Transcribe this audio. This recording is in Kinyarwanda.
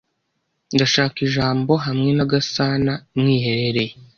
Ndashaka ijambo hamwe na Gasanamwiherereye.